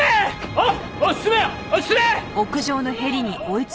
おい！